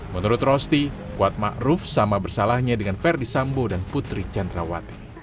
menurut rosti kuat ma'ruf sama bersalahnya dengan ferdi sambo dan putri candrawati